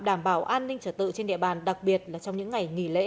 đảm bảo an ninh trật tự trên địa bàn đặc biệt là trong những ngày nghỉ lễ